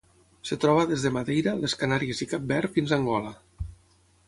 Es troba des de Madeira, les Canàries i Cap Verd fins a Angola.